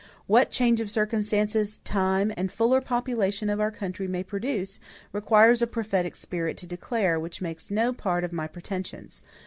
What change of circumstances, time, and a fuller population of our country may produce, requires a prophetic spirit to declare, which makes no part of my pretensions.